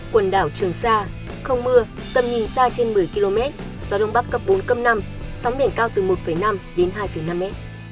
quần đảo trường sa không mưa tầm nhìn xa trên một mươi km gió đông bắc cấp bốn cấp năm sóng biển cao từ một năm đến hai năm m